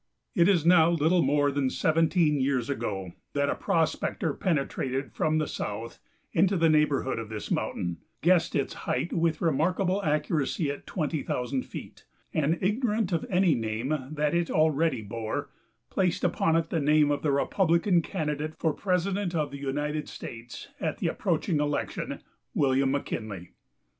It is now little more than seventeen years ago that a prospector penetrated from the south into the neighborhood of this mountain, guessed its height with remarkable accuracy at twenty thousand feet, and, ignorant of any name that it already bore, placed upon it the name of the Republican candidate for President of the United States at the approaching election William McKinley.